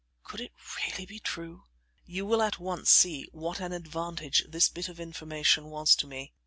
Could it really be true? You will at once see what an advantage this bit of information was to me.